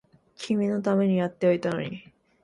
君のためにやっておいたのに